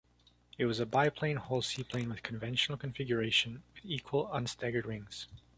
It was a biplane hull seaplane of conventional configuration, with equal, unstaggered wings.